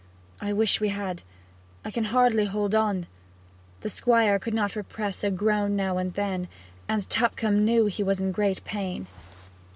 'I wish we had. I can hardly hold on.' The Squire could not repress a groan now and then, and Tupcombe knew he was in great pain.